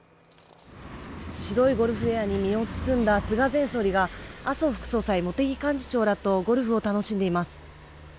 白いゴルフウェアに身を包んだ菅前総理が麻生副総裁、茂木幹事長とゴルフを楽しんでいます。